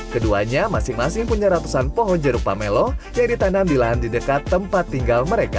keduanya masing masing punya ratusan pohon jeruk pamelo yang ditanam di lahan di dekat tempat tinggal mereka